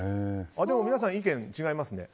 皆さん、意見が違いますね。